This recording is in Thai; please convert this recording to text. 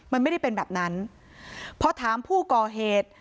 มันไม่ได้เป็นแบบนั้นพอถามผู้ก่อเหตุ